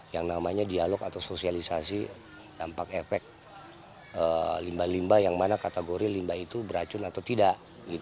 yang namanya dialog atau sosialisasi dampak efek limbah limbah yang mana kategori limbah itu beracun atau tidak